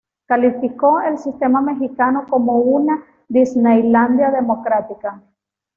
Calificó al sistema mexicano como: "una disneylandia democrática".